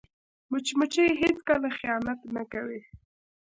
مچمچۍ هیڅکله خیانت نه کوي